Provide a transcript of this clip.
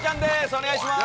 お願いします！